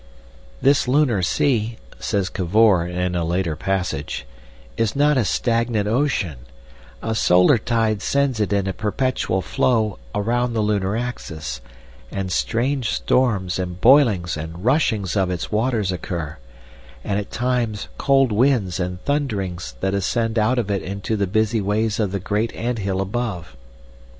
"This Lunar Sea," says Cavor, in a later passage, "is not a stagnant ocean; a solar tide sends it in a perpetual flow around the lunar axis, and strange storms and boilings and rushings of its waters occur, and at times cold winds and thunderings that ascend out of it into the busy ways of the great ant hill above.